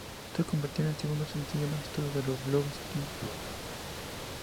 Se convirtió en su segundo sencillo más exitoso desde Love's Theme.